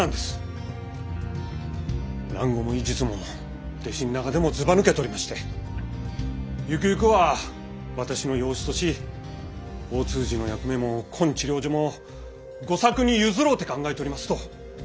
蘭語も医術も弟子ん中でもずばぬけとりましてゆくゆくは私の養子とし大通詞の役目もこん治療所も吾作に譲ろうて考えとりますと。